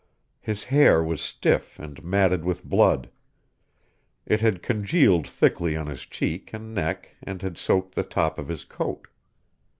His hair was stiff and matted with blood. It had congealed thickly on his cheek and neck and had soaked the top of his coat.